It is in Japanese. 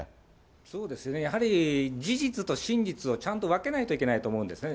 そうですね、やはり事実と真実をちゃんと分けないといけないと思うんですね。